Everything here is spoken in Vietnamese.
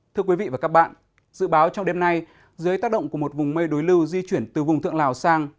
thưa quý vị và các bạn dự báo trong đêm nay dưới tác động của một vùng mây đối lưu di chuyển từ vùng thượng lào sang